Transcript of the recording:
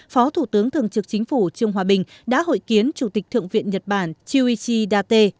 phó thủ tướng thường trực chính phủ trương hòa bình đã hội kiến chủ tịch thượng viện nhật bản chiuichi date